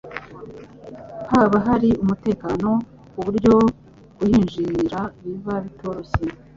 Haba hari umutekano ku buryo kuhinjira biba bitoroshye.